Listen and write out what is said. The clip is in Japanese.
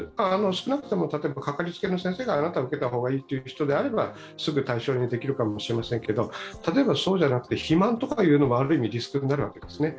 少なくともかかりつけの先生があなたは受けた方がいいという人であれば、すぐ対象にできるかもしれませんけれども、例えばそうじゃなくて肥満というのもある意味リスクになるわけですね。